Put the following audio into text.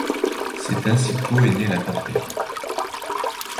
C'est ainsi qu'au est née la portée.